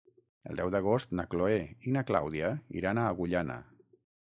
El deu d'agost na Chloé i na Clàudia iran a Agullana.